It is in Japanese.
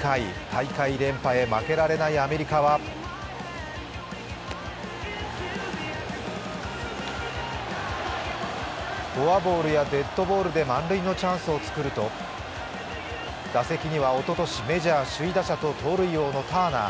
大会連覇へ負けられないアメリカはフォアボールやデッドボールで満塁のチャンスを作ると、打席にはおととしメジャー首位打者と盗塁王のターナー。